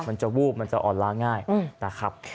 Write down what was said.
มันจะวูบมันจะอ่อนล้าง่ายนะครับ